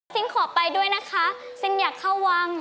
ขอไปด้วยนะคะซิงอยากเข้าวัง